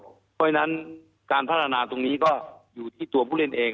เพราะฉะนั้นการพัฒนาตรงนี้ก็อยู่ที่ตัวผู้เล่นเอง